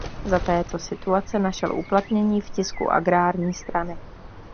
Za této situace našel uplatnění v tisku agrární strany.